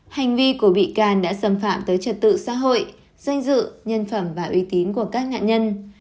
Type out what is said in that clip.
hành vi của bị can đã xâm phạm tới trật tự xã hội danh dự nhân phẩm và uy tín của các nạn nhân